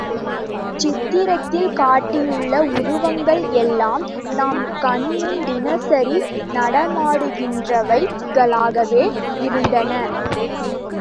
சித்திரத்தில் காட்டியுள்ள உருவங்கள் எல்லாம் நாம் கண்முன் தினசரி நடமாடுகின்றவைகளாகவே இருந்தன.